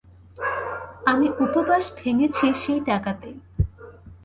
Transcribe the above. আমার উপবাস ভেঙেছি সেই টাকাতেই।